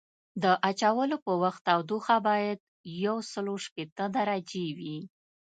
د اچولو په وخت تودوخه باید یوسل شپیته درجې وي